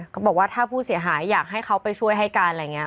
เขาบอกว่าถ้าผู้เสียหายอยากให้เขาไปช่วยให้การอะไรอย่างนี้